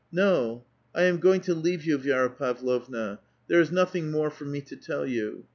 No ; I am going to leave you, Vi6ra Pavlovna ; there is nothing more for me to tell you.